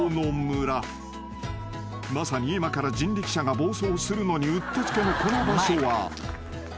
［まさに今から人力車が暴走するのにうってつけのこの場所は］